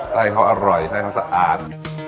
ใส่เค้าอร่อยใส่เค้าสะอาด